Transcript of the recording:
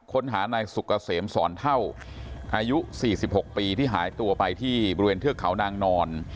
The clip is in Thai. ค้นหานายสุกเกษมสอนเท่าอายุ๔๖ปีที่หายตัวไปที่บริเวณเทือกเขานางนอน